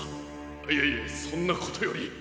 いやいやそんなことより。